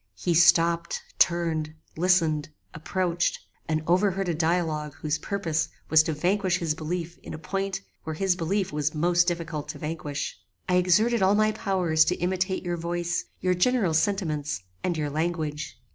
"He stopped, turned, listened, approached, and overheard a dialogue whose purpose was to vanquish his belief in a point where his belief was most difficult to vanquish. I exerted all my powers to imitate your voice, your general sentiments, and your language.